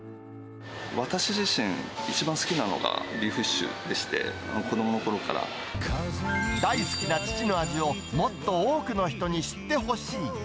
私自身、一番好きなのがビーフシチューでして、大好きな父の味を、もっと多くの人に知ってほしい。